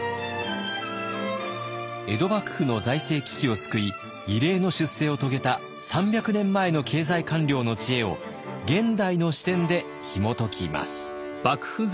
江戸幕府の財政危機を救い異例の出世を遂げた３００年前の経済官僚の知恵を現代の視点でひもときます。